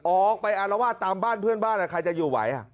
ออกไปอารวาสตามบ้านเพื่อนบ้านใครจะอยู่ไหว